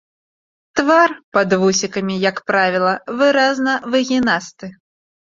Твар пад вусікамі, як правіла, выразна выгінасты.